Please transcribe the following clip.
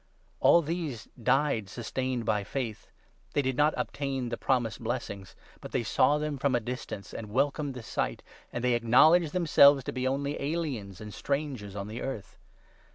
All these died sustained by faith. They did not obtain the promised blessings, but they saw them from a distance and welcomed the sight, and they acknowledged themselves to be only aliens and strangers on the earth.